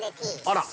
あら。